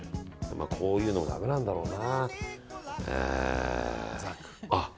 こういうのもだめなんだろうな。